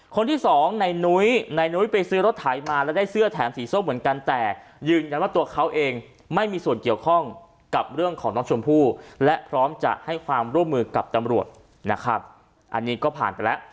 คนที่สองในนุ้ยนายนุ้ยไปซื้อรถไถมาแล้วได้เสื้อแถมสีส้มเหมือนกันแต่ยืนยันว่าตัวเขาเองไม่มีส่วนเกี่ยวข้องกับเรื่องของน้องชมพู่และพร้อมจะให้ความร่วมมือกับตำรวจนะครับอันนี้ก็ผ่านไปแล้ว